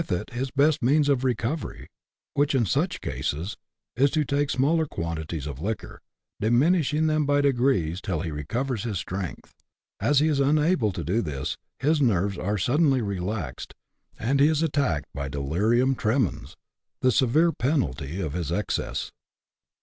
it his best means of recovery, which, in such cases, is to take smaller quantities of liquor, diminishing them by degrees till he recovers his strength : as he is unable to do this, his nerves are suddenly relaxed, and he is attacked by delirium tremens, the severe penalty of his excesses.